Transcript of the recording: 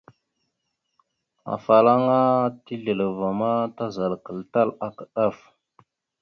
Afalaŋa tisleváma, tazalakal tal aka ɗaf.